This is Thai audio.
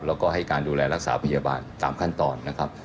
แล้วก็ให้การดูแลรักษาพยาบาลตามขั้นตอนนะครับ